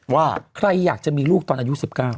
ว่าใครอยากจะมีลูกตอนอายุ๑๙